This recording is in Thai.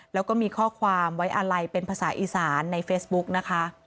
แล้วก็มีข้อความไว้อาลัยเป็นภาษาอีสานในเฟซบุ๊กนะคะ